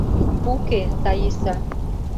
Уке, Таиса.